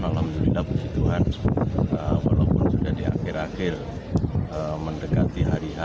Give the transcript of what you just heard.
alhamdulillah puji tuhan walaupun sudah di akhir akhir mendekati hari h